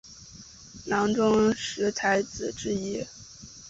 闽中十才子之一。